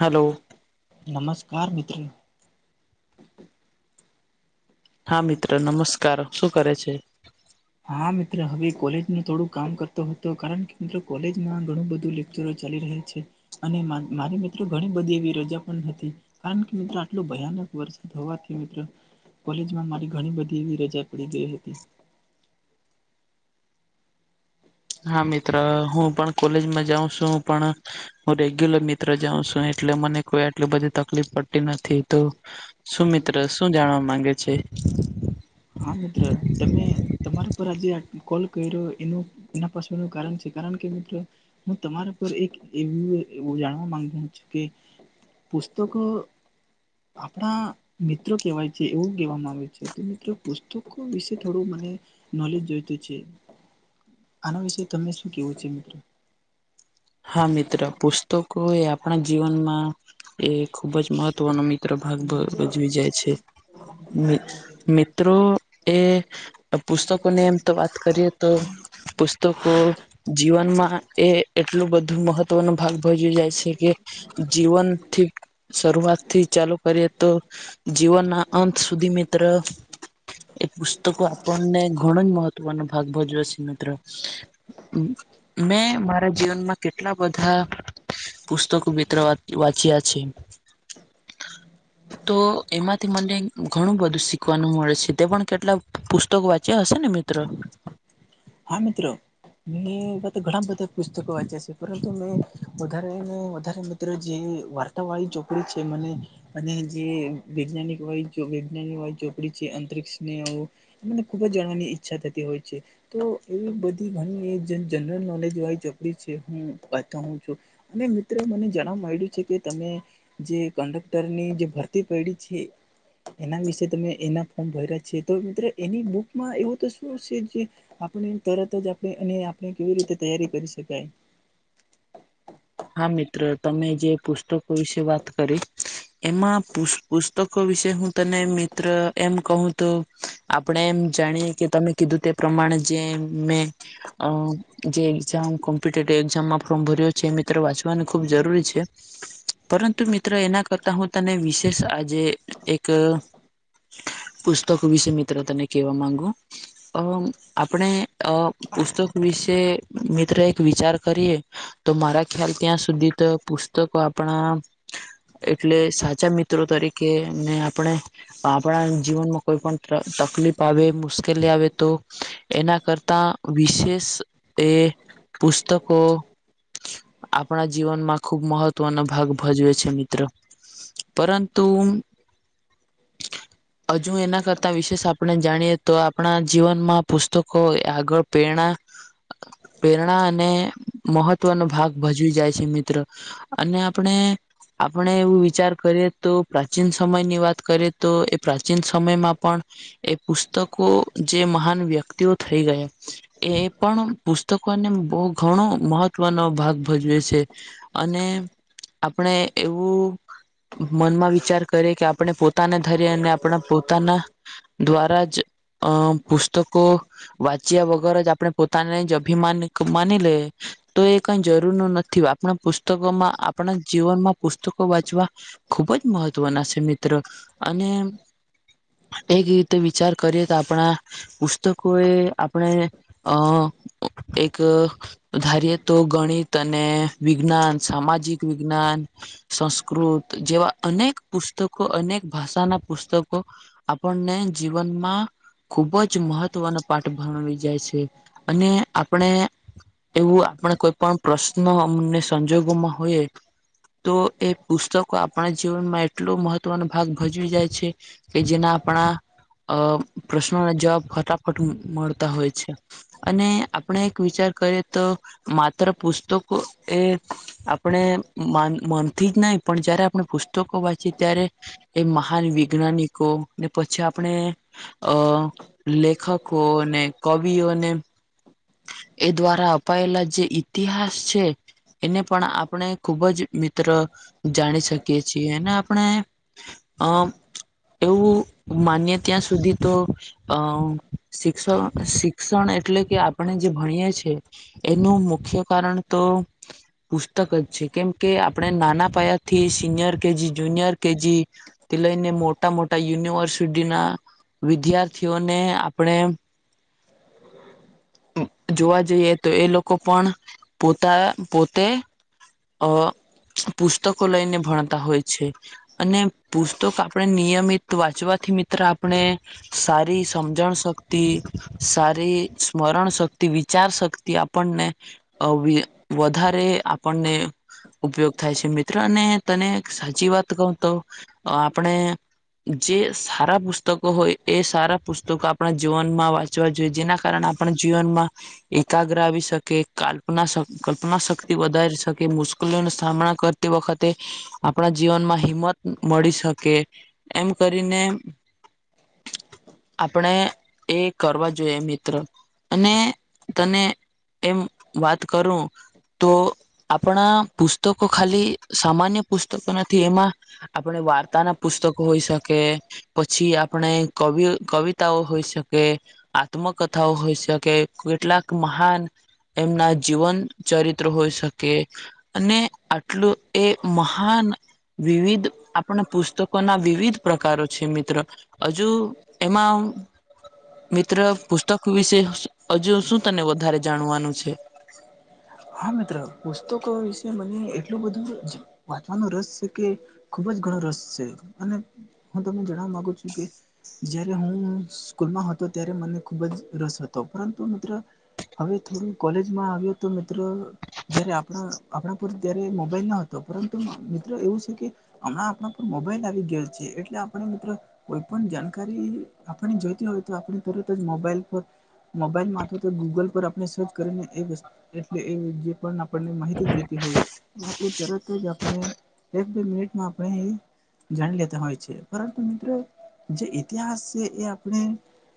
Hello નમસ્કાર મિત્ર. હા મિત્ર નમસ્કાર શું કરે છે? હા મિત્ર હવે કોલેજનુ થોડું કામ કરતો હતો કારણ કે મિત્ર કોલેજમાં ઘણું બધું લેક્ચરો ચાલી રહ્યા છે અને મારી મિત્રો ઘણી બધી એવી રજા પણ હતી. કારણ કે મિત્રો આટલો ભયાનક વરસાદ હોવાથી મિત્ર કોલેજમાં મારી ઘણી બધી એવી રજા પડી ગઈ હતી. હા મિત્ર હું પણ કોલેજમાં જાઉ છું પણ હું રેગ્યુલર મિત્ર જાઉં છું. એટલે મને કોઈ આટલી બધી તકલીફ પડતી નથી તો શું મિત્રસ શું જાણવા માંગે છે? હા મિત્ર તમે તમારા પર આજે કોલ કર્યો એનું એના પાછળનું કારણ છે કારણ કે મિત્ર હું તમારા પર એક એવુંવ જાણવા માંગુ છું કે પુસ્તકો આપણા મિત્રો કહેવાય છે એવું કહેવામાં છે તો મિત્રો પુસ્તકો વિશે થોડો મને નોલેજ જોઈતો છે. આના વિશે તમને શું કેવું છે મિત્ર? હા મિત્ર પુસ્તકો એ આપણા જીવનમાં એ ખુબ જ મહત્વનો મિત્ર ભાગ ભ ભજવી જાય છે. મિત મિત્ર તો એ પુસ્તકોની એમ તો વાત કરીએ તો પુસ તોકો જીવનમાં એ એટલું બધું મહત્વનો ભાગ ભજવી જાય છે, કે જીવનથી શરૂઆતથી ચાલુ કરીએ તો જીવનના અંત સુધી મિત્ર એ પુસ્તકો આપણને ઘણો જ મહત્વ નો ભાગ ભજવે છે, મિત્ર મેં [unintelligible] રા જીવનમાં કેટલા બધા પુસ્તકો મિત્ર વા વાંચ્યા છે. [unintelligible] [inaudible] તો એમાંથી મને ઘણું બધું શીખવાનું મળે છે, તે પણ કેટલા પુસ્તકો વાંચ્યા હશે ને મિત્ર? હા મિત્ર મે એવા તો ઘણા બધા પુસ્તકો વાંચ્યા છે, પરંતુ મેં વધારેને વધારે ત્ર જે વાર્તા વાળી ચોકડી છે, મને અને જે વૈજ્ઞાનિક હોય વૈજ્ઞાનિક વાડી ચોપડી પડી છે, અંતરિક્ષ [unintelligible] મને ખુબ જ જાણવાની ઈચ્છા થતી હોય છે. તો એવી બધી ઘણી એ જ જનરલ નોલેજ વાળી ચોપડી છે, હું બાટાવુ છું અને મિત્રો મને જણવા માંળયું છે, કે તમે જે કંડક્ટરની જે ભરતી પયડી છે. એના વિશે તમે એના ફોર્મ ભર્યા છે, તો મિત્ર એની બુકમાં એવું તો શું છે, જે આપણે તરત જ આપે અને આપણે કેવી રીતે તૈયારી કરી શકાય હા મિત્ર તમે જે પુસ્તકો વિશે વાત કરી એમાં પુ પુસ્તકો વિશે હું તને મિત્ર એમ કહું તો આપણે એમ જાણીએ કે તમે કીધું તે પ્રમાણે જે મેં અ જે એકઝામ કોમ્પિટેટિવ એઝામમાં ફોર્મ ભર્યો છે, મી ત્ર વાચવાનુ ખૂબ જરૂરી છે. પરંતુ મિત્રો એના કરતા હું તને વિશેષ આજે એક પુસ્તક વિશે મિત્ર તને કહેવા માગુ અ આપણે અ પુસ્તક વિશે મિત્ર એક વિચાર કરીએ તો મારા ખ્યાલ ત્યાં સુધી તો પુસ્તકો આપણા એટલે સાચા મિત્રો તરીકે ને આપણે આપણા જીવનમાં કોઈ પણ ત તકલીફ આવે મુશ્કેલી આવે તો એના કરતા વિશેષ એ પુસ્તકો આપણા જીવનમાં ખુબ મહત્વનો ભાગ ભજવે છે, મિત્રો પરંતુ [inaudible] અજુ એના કરતા વિશેષ આપણે જાણીએ તો આપણા જીવનમાં પુસ્તકો આગળ પ્રેરણા [inaudible] પ્રેરણા અને મહત્વનો ભાગ ભજવી જાય છે, મિત્ર અને આપણે આપણે એવું વિચાર કરીએ તો પ્રાચીન સમયની વાત કરીએ તો એ પ્રાચીન સમયમાં પણ એ પુસ્તકો જે મહાન વ્યક્તિઓ થઈ ગયા એ પણ પુસ્તકોને બો ઘણો મહત્વનો ભાગ ભજવે છે, અને આપણે એવું મનમાં વિચાર કરે કે આપણે પોતાના ધરયે અને આપણા પોતાના દ્વારા જ અ પુસ્તકો વાંચ્યા વગર જ આપણે પોતાને જ અભિમાન માની લએ તો એ કઈ જરૂર નથી, આપણા પુસ્તકોમાં, આપણા જીવનમાં પુસ્તકો વાંચવા ખૂબ જ મહત્વના છે મિત્ર, અને એક રીતે વિચાર કરીએ તો આપણા પુસ્તકો એ આપણે અ એક ધારીએ તો ગણિત અને વિજ્ઞાન, સામાજિક વિજ્ઞાન સંસ્કૃત, જેવા અનેક પુસ્તકો, અનેક ભાષાના પુસ્તકો આપણને જીવનમાં ખુબજ મહત્વનો પાઠ ભણાવી જાય છે, અને આપણે એવું આપણે કોઈ પણ પ્રશ્ન અને સંજોગોમાં હોય તો એ પુસ્તકો આપણા જીવનમાં એટલો મહત્વનો ભાગ ભજવી જાય છે. કે જેના આપણા, અ પ્રશ્નોના જવાબ ફટાફટ મળતા હોય છે. અને આપણે એક વિચાર કરીએ, તો માત્ર પુસ્તકો એ આપણે માન મનથી જ નહી, પણ જયારે આપણે પુસ્તકો વાંચીએ ત્યારે એ મહાન વિજ્ઞાનિકો, ને પછી આપણે અ લેખકો, ને કવિઓને એ દ્વારા અપાયેલા જે ઈતિહાસ છે. એને પણ આપણે ખુબ જ મિત્ર જાણી શકીએ છીએ, અને આપણે અમ, એવું માનીએ ત્યાં સુધી તો અ, શિક્ષણ, શિક્ષણ એટલે કે આપણે જે ભણીએ છીએ એનું મુખ્ય કારણ તો પુસ્તકજ છે, કેમ કે આપણે નાના પાયાથી સિનિયર કેજી, જુનિયર કેજી તેથી લઈને, મોટા મોટા યુનિવર્સિટીના વિદ્યાર્થીઓને આપણે [inaudible] [inaudible] જોવા જઈએ તો એ લોકો પણ પોતા પોતે અ પુસ્તકો લઈને ભણતા હોય છે. અને પુસ્તક આપણે નિયમિત વાંચવાથી મિત્ર આપણે સારી સમજણ શક્તિ, સારી સ્મરણ શક્તિ, વિચાર શક્તિ આપ પણને અવી વધારે આપણને ઉપયોગ થાય છે મિત્ર, અને તને સાચી વાત કહું તો, આપણે જે સારા પુસ્તકો હોય, એ સારા પુસ્તકો આપણા જીવનમાં વાંચ ચવા જોઈએ, જેના કારણે આપણા જીવનમાં એકાગ્ર આવી શકે. કાલ્પના શક, કલ્પના શક્તિ વધારી શકે, મુશ્કીલો નો સામના કરતી વખતે. આપણા જીવનમાં હિંમત મળી શકે, એમ કરીને [inaudible] આપણે એ કરવા જોઈએ મિત્ર. અને, તને એમ વાત કરું, તો આપણા પુસ્તકો ખાલી સામાન્ય પુસ્તકો નથી, એમાં આપણે વાર્તાના પુસ્તકો હોઈ શકે. પછી આપણે કવિઓ કવિતાઓ હોઈ શક કે, આત્મકથાઓ હોય શકે, કેટલાક મહાન એમના જીવન ચરિત્ર હોઈ શકે. અને આટલું એ મહાન વિવિધ, આપણા પુસ્તકોના વિવિધ પ્રકારો છે મિત્ર. હજુ એમાં મિત્ર પુસ્તક વિશે હજુ શું તને વધારે જાણવાનું છે? [unintelligible] હા મિત્ર પુસ્તકો વિશે મને એટલું બધું વાંચવાનો રસ છે કે ખુબ જ ઘણો રસ છે અને હું તમને જણવા માંગુ છું કે જ્યારે હું સ્કૂલમાં હતો ત્યારે મને ખુબ જ રસ હતો પરંતુ મિત્ર હવે થોડું કૉલેજમાં આવ્યો તો મિ મિત્ર જ્યારે આપણા આપણા પર ત્યારે મોબાઈલ ન હતો પરંતુ મિત્ર એવું છે કે હમણાં આપણા પર મોબાઈલ આવી ગયા છે એટલે આપણે મિત્રો કોઈ પણ જાણકારી આપણે જોઈતી હોય તો આપણે તરત જ મોબાઈલ પર મોબાઈલ માથી ગૂગલ પર આપણે સર્ચ કરીને એ વસ્ એટલે એ જે પણ આપણને માહિતી જોતી હોય એ આપણે તરત જ આપણે એક બે મિનિટમા આપાને એ જાણી લેતા હોય છે પરંતુ મિત્રો જે ઇતિહાસ છે એ આપણે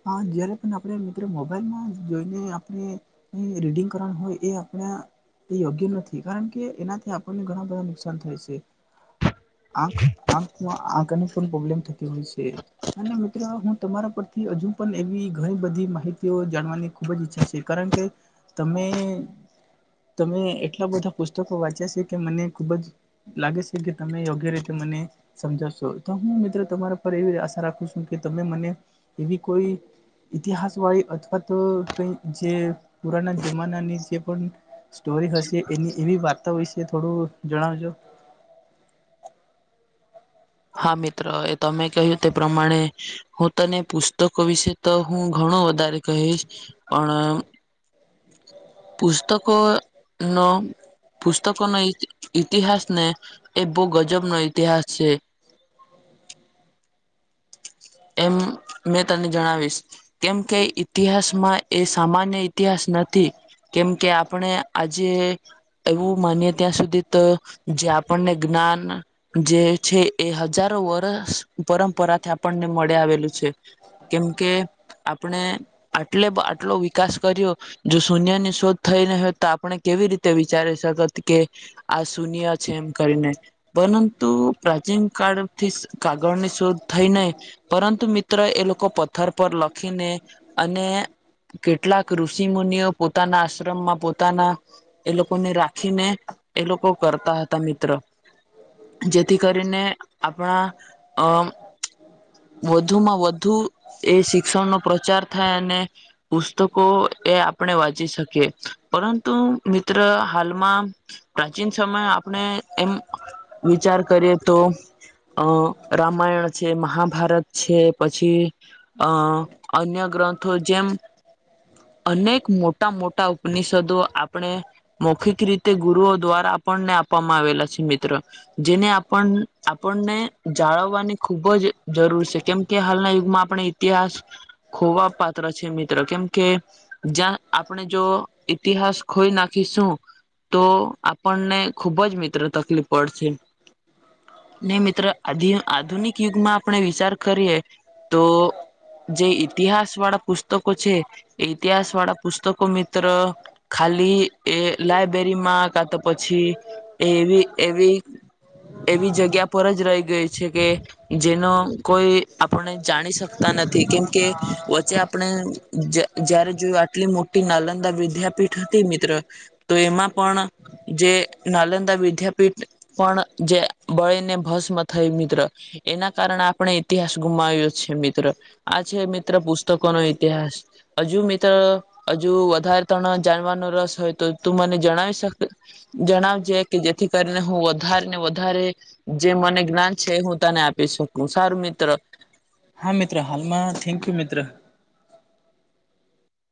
હા જયારે પણ આપણે મિત્રો મોબાઈલમાં જોઈને આપણે રીડિંગ કરવાનું હોય એ આપણા એ યોગ્ય નથી કારણ કે એનાથી આપણને ઘણા બધા નુકસાન થાય છે. આંખ આંખમાં આંખની પણ ફૂલ પ્રોબ્લેમ થતી હોય છે. અને મિત્રો હું તમારા પરથી હજુ પણ એવી ઘણી બધી માહિતીઓ જાણવાની ખૂબ જ ઈચ્છા છે કારણ કે તમે તમે એટલા બધા પુસ્તકો વાંચ્યા છે કે મને ખુબ જ લાગે છે કે તમે યોગ્ય રીતે મને સમજાવશો તો હું મિત્રો તમારા પર આશા રાખું છું કે તમે મને એવી કોઈ ઇતિહાસવાળી અથવા તો કંઈ જે પુરાના જમાનાની છે. પણ સ્ટોરી હશે એની એવી વાર્તા વિશે થોડું જણાવજો. હા મિત્ર એ તમે કહ્યું તે પ્રમાણે હું તને પુસ્તકો વિશે તો હું ઘણો વધારે કહીશ પણ પુસ્તકોનો પુસ્તકોનો ઇતિહાસ ને એ બહુ ગજબ નો ઈતિહાસ છે. એમ મેં તને જણાવીશ. કેમ કે ઇતિહાસમાં એ સામાન્ય ઇતિહાસ નથી. કેમ કે આપણે આજે એવું માનીએ ત્યાં સુધી તો જે આપણને જ્ઞાન જે છે એ હજારો વરસ પરંપરાથી આપણને મળી આવેલું છે. કેમ કે આપણે આટલે પ આટલો વિકાસ કર્યો જો શૂન્યની શોધ થઈને હોય તો આપણે કેવી રીતે વિચારી શક ત કે આ શૂન્ય છે એમ કરીને. પરંતુ પ્રાચીન કાળથીસ કાગળની શોધ થઈ નઈ પરંતુ મિત્ર એ લોકો પથ્થર પર લખીને અને કેટલાક ઋષિ મુનિઓ પોતાના આશ્રમમાં પોતાના એ લોકોને રાખીને એ લોકો કરતા હતા મિત્ર. જેથી કરીને આપણા અ વધુમાં વધુ એ શિક્ષણનો પ્રચાર થાય અને પુસ્તકો એ આપણે વાંચી શકીએ પરંતુ મિત્ર હાલમાં પ્રાચીન સમય આપણે એમ વિચાર કરીએ તો અ રામાયણ છે મહા ભારત છે પછી અ અન્ય ગ્રંથો જેમ અનેક મોટા મોટા ઉપનિષદો આપણે મોખીત રીતે ગુરુઓ દ્વારા આપણને આપવામાં આવેલા છે મિત્ર જેને આપણ આપણને જાળવવાની ખુબ જ જરૂર છે કેમ કે હાલના યુગમાં આપણે ઇતિહાસ ખોવા પાત્ર છે મિત્ર કેમ કે જ્યાં આપડે જો ઈતિહાસ ખોઈ નાખીશું તો આપણને ખુબ જ મિત્ર તકલીફ પડશે ને મિત્ર આધી આધુનિક યુગમાં આપણે વિચાર કરીએ તો જે ઈતિહાસ વાળા પુસ્તકો છે એ ઇતિહાસ વાળા પુસ્તકો મિત્ર ખાલી એ લાયબ્રેરી માં કા તો પછી એવી એવી એવી જગ્યા પર જ રઇ ગઈ છે કે જેનો કોઈ આપણે જાણી શકતા નથી કેમકે વચ્ચે આ પણે જ જયારે જો આટલી મોટી નાલંદા વિદ્યાપીઠ હતી મિત્ર તો એમાં પણ જે નાલંદા વિદ્યાપીઠ પણ જે બળીને ભસ્મ થઈ મિત્ર એના કારણે આપણે ઇતિહાસ ગુમાવ્યો છે મિત્ર આ છે મિત્ર પુસ્તકોનો ઈતિહાસ અજુ મિત્ર અજુ વધારે તણ જાણવાનો રસ હોય તો તું મને જણાવી શકે જણાવજે કે જેથી કરીને હું વધારે ને વધારે જે મને જ્ઞાન છે હું તને આપી શકું સારું મિત્ર હા મિત્ર હાલમાં થેન્કયુ મિત્ર